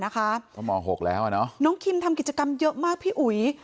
ก็ม๖แล้วน้องคิมทำกิจกรรมเยอะมากพี่อุ๋ย